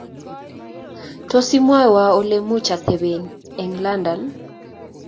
Tos imwowo ole muateben eng London?